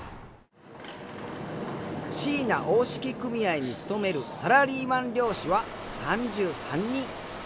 椎名大敷組合に勤めるサラリーマン漁師は３３人。